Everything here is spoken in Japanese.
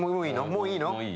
もういいの？